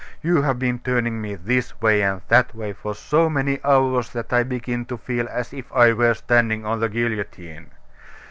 You have been turning me this way and that way for so many hours that I begin to feel as if I were standing on the guillotine.